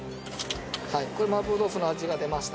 これ麻婆豆腐の味が出ました。